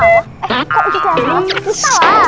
eh kok kita yang salah